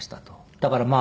だからまあ